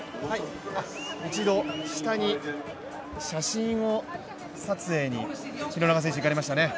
一度下に写真撮影に廣中選手行かれましたね。